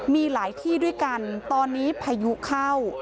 มีหลายที่ด้วยกันตอนนี้พายุเข้า